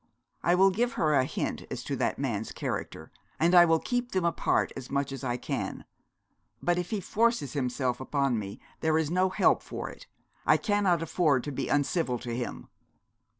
'I will give her a hint as to that man's character, and I will keep them apart as much as I can. But if he forces himself upon me there is no help for it. I cannot afford to be uncivil to him.'